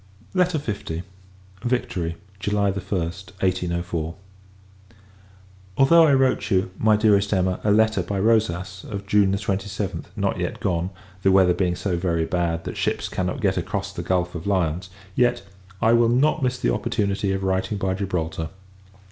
LETTER L. Victory, July 1st, 1804. Although I have wrote you, my dearest Emma, a letter, by Rosas, of June 27th, not yet gone, the weather being so very bad, that ships cannot get across the Gulph of Lyons, yet I will [not] miss the opportunity of writing by Gibraltar.